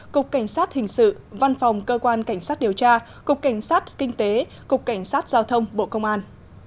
cục cảnh sát hình sự văn phòng cơ quan cảnh sát điều tra cục cảnh sát kinh tế cục cảnh sát giao thông bộ công an